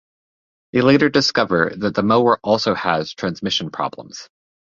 They later discover that the mower also has transmission problems.